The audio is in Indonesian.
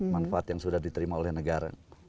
manfaat yang sudah diterima oleh negara